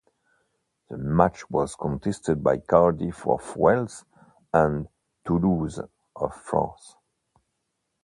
The match was contested by Cardiff of Wales and Toulouse of France.